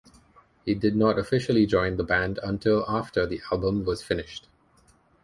He did not officially join the band until after the album was finished.